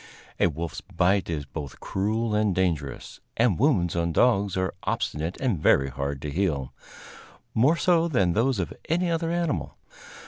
A wolf's bite is both cruel and dangerous, and wounds on dogs are obstinate and very hard to heal more so than those of any other animal.